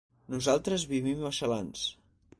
Nosaltres vivim a Xalans.